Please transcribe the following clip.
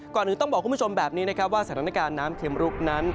ก่อนอื่นต้องบอกคุณผู้ชมแบบนี้นะครับว่าสถานการณ์น้ำเข็มรุกนั้น